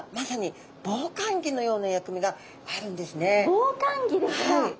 防寒着ですか。